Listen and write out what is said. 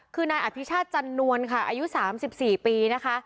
คือนายอภิชาติจันนวลค่ะอายุ๓๔ปีนะคะ